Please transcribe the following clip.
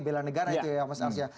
bela negara itu ya mas arsya